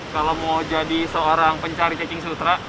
kalau mau jadi seorang pencari cacing sutra